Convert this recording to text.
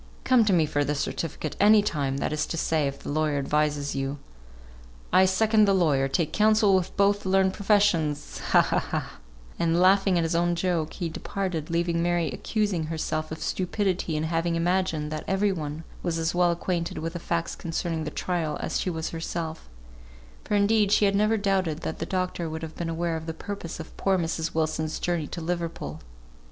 Come to me for the certificate any time; that is to say, if the lawyer advises you. I second the lawyer; take counsel with both the learned professions ha, ha, ha, " And laughing at his own joke, he departed, leaving Mary accusing herself of stupidity in having imagined that every one was as well acquainted with the facts concerning the trial as she was herself; for indeed she had never doubted that the doctor would have been aware of the purpose of poor Mrs. Wilson's journey to Liverpool.